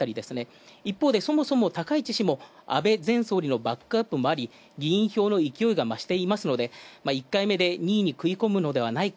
一方でそもそも高市氏も安倍前総理のバックアップもあり議員票の勢いが増していますので、１回目で２位に食い込むのではないか。